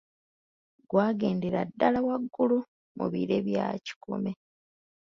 Gwagendera ddala waggulu mu bire bya kikome.